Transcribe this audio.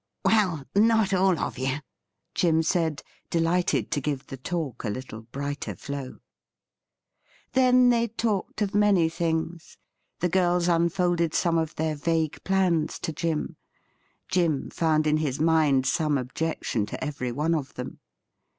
' Well, not all of you,' Jim said, delighted to give the talk a little brighter flow. Then they talked of many things. The girls unfolded some of their vague plans to Jim ; Jim found in his mind some objection to every one of them.